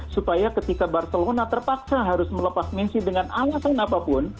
supaya ketika barcelona terpaksa harus melepas messi dengan alasan apapun